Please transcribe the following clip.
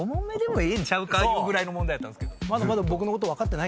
いうぐらいの問題やったんですけど。